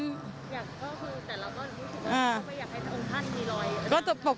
อยากเพิ่มคือแต่เราก็รู้สึกว่าไม่อยากให้ท่านมีรอย